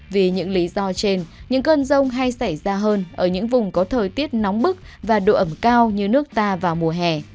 vì những lý do trên những cơn rông hay xảy ra hơn ở những vùng có thời tiết nóng bức và độ ẩm cao như nước ta vào mùa hè